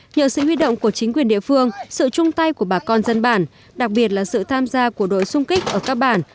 nhờ sự huy động của chính quyền địa phương sự chung tay của bà con dân bản đặc biệt là sự tham gia của đội xung kích ở các bản